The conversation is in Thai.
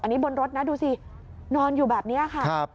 อันนี้บนรถนะดูสินอนอยู่แบบนี้ค่ะ